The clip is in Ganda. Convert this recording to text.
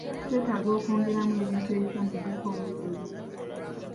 Twetaaga okwongeramu ebintu ebipya mu dduuka omwezi ogujja.